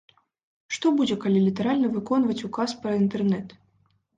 Што будзе, калі літаральна выконваць указ пра інтэрнэт?